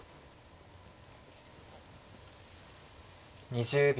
２０秒。